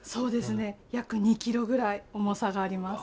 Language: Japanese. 約２ｋｇくらい重さがあります。